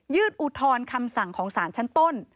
อุทธรณ์คำสั่งของสารชั้นต้น